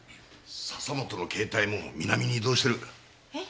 笹本の携帯も南に移動してる！え！？